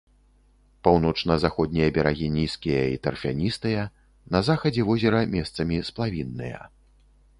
Паўночна-заходнія берагі нізкія і тарфяністыя, на захадзе возера месцамі сплавінныя.